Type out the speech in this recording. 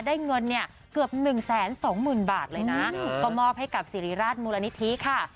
ได้เงินเนี่ยเกือบ๑แสน๒หมื่นบาทเลยนะก็มอบให้กับศิริราชมุรณิธิค่ะ